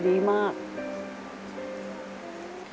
ที่นี่ทำงานมาสิบปีพี่โอ